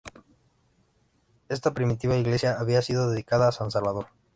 Esta primitiva iglesia había sido dedicada a San Salvador.